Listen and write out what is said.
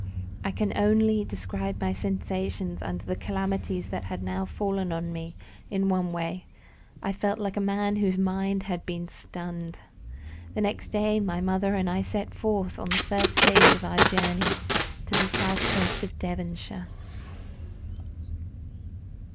I can only describe my sensations under the calamities that had now fallen on me in one way: I felt like a man whose mind had been stunned. The next day my mother and I set forth on the first stage of our journey to the south coast of Devonshire.